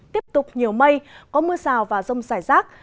tiếp tục nhiều mây có mưa rào và rông rải rác